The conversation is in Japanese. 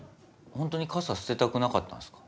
ホントに傘捨てたくなかったんすか？